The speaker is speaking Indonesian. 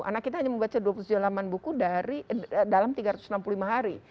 anak kita hanya membaca dua puluh tujuh laman buku dalam tiga ratus enam puluh lima hari